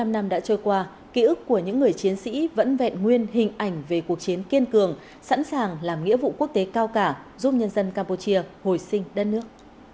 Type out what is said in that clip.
bảy mươi năm năm đã trôi qua ký ức của những người chiến sĩ vẫn vẹn nguyên hình ảnh về cuộc chiến kiên cường sẵn sàng làm nghĩa vụ quốc tế cao cả giúp nhân dân campuchia hồi sinh đất nước